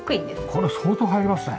これ相当入りますね。